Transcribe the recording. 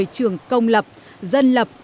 trường công lập dân lập